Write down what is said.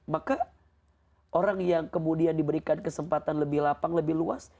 maka orang yang kemudian diberikan kesempatan lebih lapang lebih luas